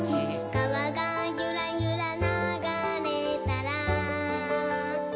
「かわがゆらゆらながれたら」